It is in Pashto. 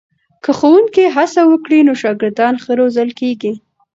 که ښوونکي هڅه وکړي نو شاګردان ښه روزل کېږي.